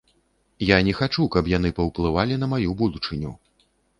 Я не хачу, каб яны паўплывалі на маю будучыню.